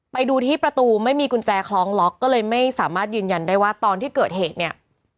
ไปดูที่ประตูไม่มีกุญแจคล้องล็อกก็เลยไม่สามารถยืนยันได้ว่าตอนที่เกิดเหตุเนี่ย